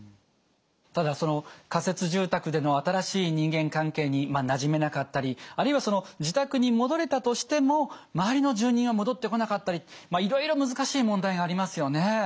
ただ仮設住宅での新しい人間関係になじめなかったりあるいは自宅に戻れたとしても周りの住人は戻ってこなかったりいろいろ難しい問題がありますよね。